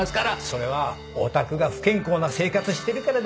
それはおたくが不健康な生活してるからだよ！